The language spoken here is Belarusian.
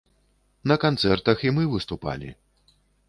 На канцэртах і мы выступалі.